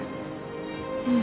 うん。